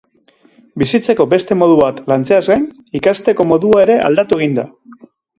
Bizitzeko beste modu bat lantzeaz gain, ikasteko modua ere aldatu egiten da.